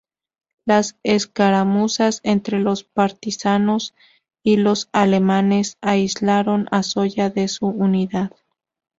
Las escaramuzas entre los partisanos y los alemanes aislaron a Zoya de su unidad.